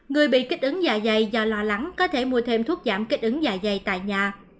người bị kích ứng dạ dày do lo lắng có thể mua thêm thuốc giảm kích ứng dạ dày tại nhà